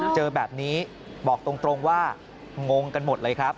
เจอแบบนี้บอกตรงว่างงกันหมดเลยครับ